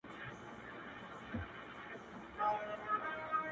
ما اغزي پکښي لیدلي په باغوان اعتبار نسته!.